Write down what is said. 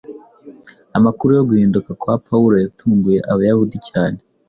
Amakuru yo guhinduka kwa Pawulo yatunguye Abayahudi cyane.